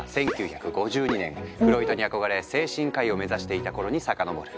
フロイトに憧れ精神科医を目指していた頃に遡る。